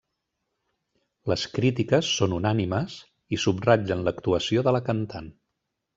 Les crítiques són unànimes i subratllen l'actuació de la cantant.